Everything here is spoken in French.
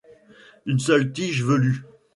Une seule tige, velue.